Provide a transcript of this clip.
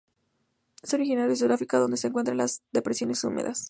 Es originario de Sudáfrica donde se encuentra en las depresiones húmedas.